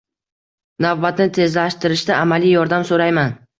Navbatni tezlashtirishda amaliy yordam so‘rayman.